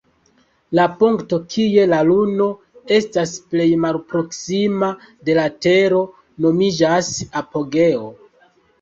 La punkto kie la luno estas plej malproksima de la tero nomiĝas "apogeo".